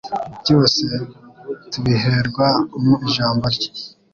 Byose tubiherwa mu ijambo rye.